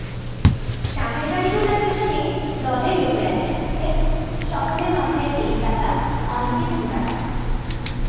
সাজের গাড়িগুলার পিছনে দলের লোকেরা যাইতেছে, সকলের মাথায় টেরিকাটা, অনেকের জুতা হাতে।